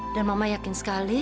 dan mama yakin sekali